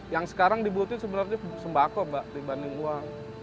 yang sekarang dibutuhkan sebenarnya sembako mbak dibanding uang